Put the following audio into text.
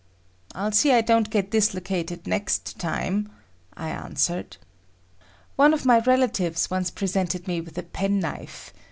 "I'll see I don't get dislocated next time," I answered. One of my relatives once presented me with a pen knife.